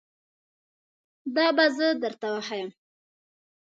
دا به زه درته وښایم